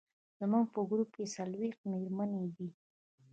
زموږ په ګروپ کې څلوېښت مېرمنې دي.